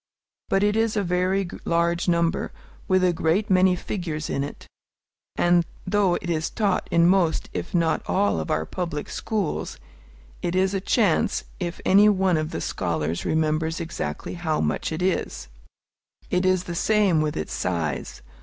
But it is a very large number, with a great many figures in it; and though it is taught in most if not all of our public schools, it is a chance if any one of the scholars remembers exactly how much it is. It is the same with its size.